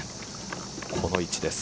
この位置です。